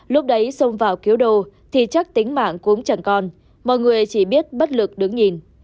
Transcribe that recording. lúc đấy xông vào cứu đồ thì chắc tính mạng cũng chẳng còn mọi người chỉ biết bất lực đứng nhìn